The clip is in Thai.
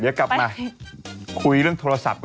เดี๋ยวกลับมาคุยเรื่องโทรศัพท์กัน